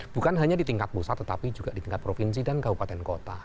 bukan hanya di tingkat pusat tetapi juga di tingkat provinsi dan kabupaten kota